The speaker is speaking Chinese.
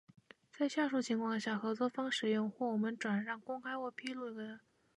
在下述情况下，合作方使用，或我们转让、公开披露您的个人信息无需事先征得您的授权同意：